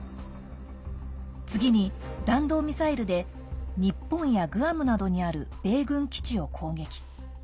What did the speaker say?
次に弾道ミサイルで日本やグアムなどにある米軍基地を攻撃。